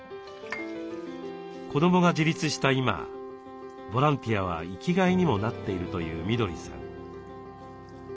子どもが自立した今ボランティアは生きがいにもなっているというみどりさん。